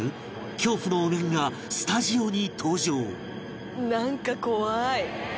恐怖のお面がスタジオに登場